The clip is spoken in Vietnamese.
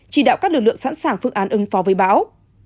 chỉ đạo các lực lượng sẵn sàng phương án ứng phó với bão